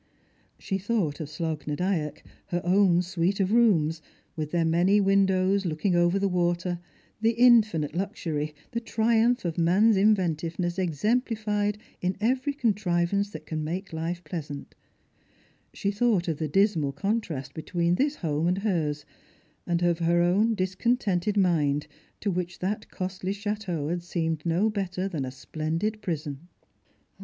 She thought of Slogh na Dyack, her own suite of rooms, with 306 Strangers and Pilgrima, their many windows looking over the water, the infinite InxnTy, the triumph of man's inventiveness exemplified in every con trivance that can make life pleasant; she thought of the dismal contrast between this home and hers, and of her own discon tented mind, to which that costly chateau had seemed no betti than a splendid pi'ison.